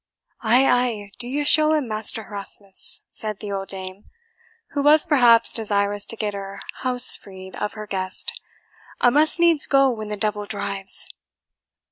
"Ay, ay, do ye show him, Master Herasmus," said the old dame, who was, perhaps, desirous to get her house freed of her guest; "a' must needs go when the devil drives."